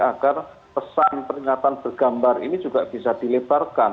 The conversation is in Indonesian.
agar pesan peringatan bergambar ini juga bisa dilebarkan